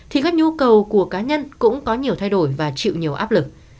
thì các nhu cầu của cá nhân cũng có nhiều thay đổi và chịu nhiều áp lực